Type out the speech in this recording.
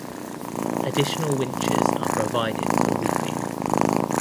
Additional winches are provided for reefing.